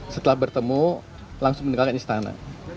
setelah bertemu langsung meninggalkan istana